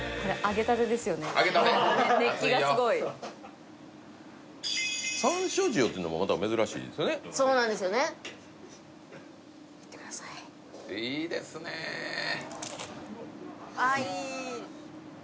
揚げたて熱いよ山椒塩っていうのもまた珍しいですよねそうなんですよねいってくださいいいですねあっいい